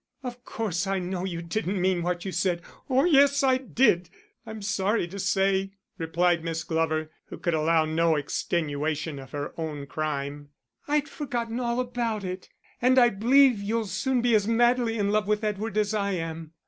"Of course I know you didn't mean what you said." "Oh yes, I did, I'm sorry to say," replied Miss Glover, who could allow no extenuation to her own crime. "I'd quite forgotten all about it; and I believe you'll soon be as madly in love with Edward as I am."